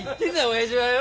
親父はよ！